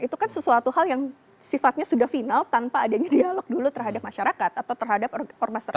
itu kan sesuatu hal yang sifatnya sudah final tanpa adanya dialog dulu terhadap masyarakat atau terhadap ormas tertentu